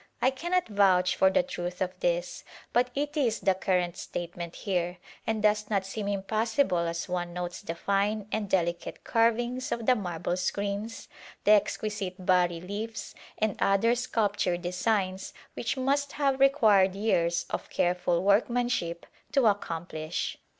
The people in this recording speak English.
I cannot vouch for the truth of this but it is the current statement here, and does not seem impossible as one notes the fine and delicate carvings of the marble screens, the exquisite bas reliefs and other sculptured designs which must have required years of careful workmanship to ac complish.